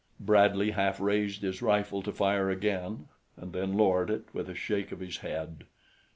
Bradley half raised his rifle to fire again and then lowered it with a shake of his head.